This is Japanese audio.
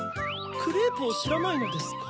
クレープをしらないのですか？